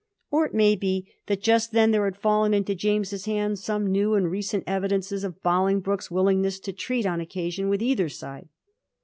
Or it mHj be that just then there had fallen into James's hands some new and recent evidences of Bolingbroke's willingness to treat, on occasion, with either side.